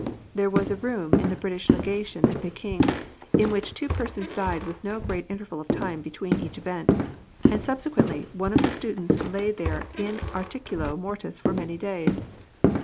There was a room in the British Legation at Peking in which two persons died with no great interval of time between each event ; and subsequently one of the students lay there in ariiculo mortis for many days.